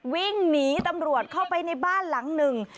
วิ่งหนีตำรวจเข้าไปในบ้านหลังหนึ่ง